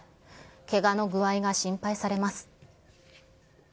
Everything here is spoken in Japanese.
けがの具合が心配されます。